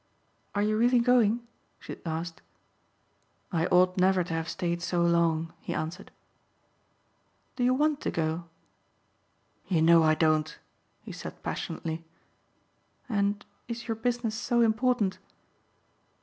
"Are you really going?" she asked. "I ought never to have stayed so long," he answered. "Do you want to go?" "You know I don't," he said passionately. "And is your business so important?"